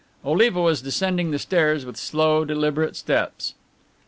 Oliva was descending the stairs with slow, deliberate steps.